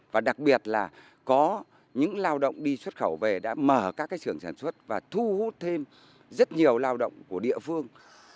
và đặc biệt là có những lao động đi xuất khẩu về đã mở các xưởng sản xuất và thu hút thêm rất nhiều lao động của địa phương